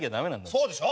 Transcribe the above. そうでしょ？